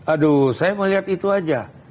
aduh saya melihat itu aja